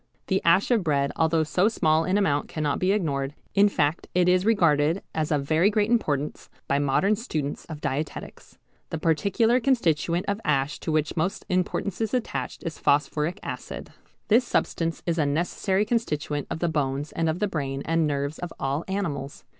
The ash of bread although so small in amount cannot be ignored, in fact it is regarded as of very great importance by modern students of dietetics. The particular constituent of the ash to which most importance is attached is phosphoric acid. This substance is a necessary constituent of the bones and of the brain and nerves of all animals.